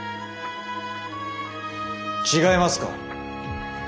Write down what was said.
違いますか？